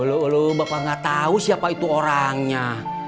uluh bapak gak tahu siapa itu orangnya